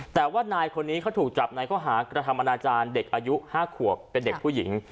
แต่ว่านายคนนี้เขาถูกจับในข้อหากระทำอนาจารย์เด็กอายุ๕ขวบเป็นเด็กผู้หญิง